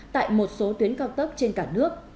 tại một số tuyến cao tốc trên cả nước